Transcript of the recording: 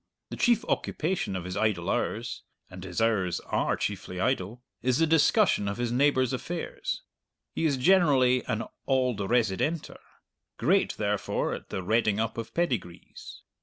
The chief occupation of his idle hours (and his hours are chiefly idle) is the discussion of his neighbour's affairs. He is generally an "auld residenter;" great, therefore, at the redding up of pedigrees.